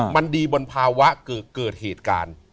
มันดีบนภาวะเกิดเหตุการณ์